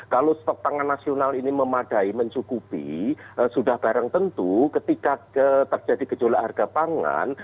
kalau stok pangan nasional ini memadai mencukupi sudah barang tentu ketika terjadi kejualan harga pangan